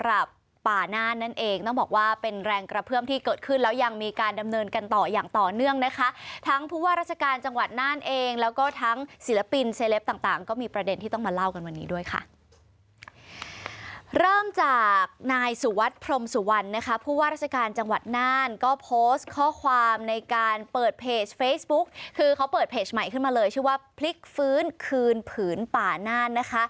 ใหม่ขึ้นมาเลยชื่อว่าพลิกฟื้นคืนผืนป่าน่าน